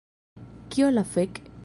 Kio la fek...?